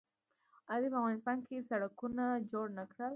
آیا دوی په افغانستان کې سړکونه جوړ نه کړل؟